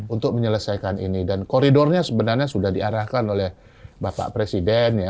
untuk menyelesaikan ini dan koridornya sebenarnya sudah diarahkan oleh bapak presiden